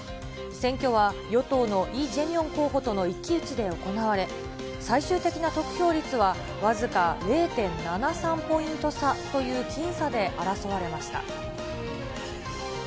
選挙は、与党のイ・ジェミョン候補との一騎打ちで行われ、最終的な得票率は、僅か０．７３ポイント差という僅差で争われました。